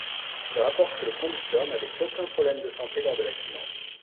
Il rapporte que le conducteur n'avait aucun problème de santé lors de l'accident.